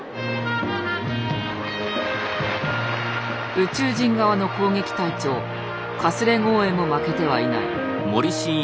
宇宙人側の攻撃隊長カスレゴーエも負けてはいない。